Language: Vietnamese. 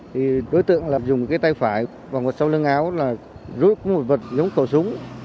thì đối tượng dùng tay phải và một sâu lưng áo rút một vật giống khẩu súng